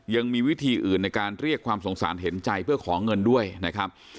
ยังมีวิธีอื่นในการเรียกความสงสารเห็นใจเพื่อขอเงินด้วยนะครับ